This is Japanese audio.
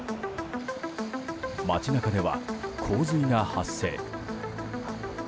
街中では洪水が発生。